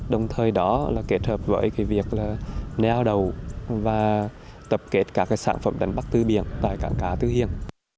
đồng thời đó kết hợp với việc neo đầu và tập kết các sản phẩm đánh bắt tư biển tại cả cá tư hiền